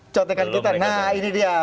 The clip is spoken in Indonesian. cotekan kita nah ini dia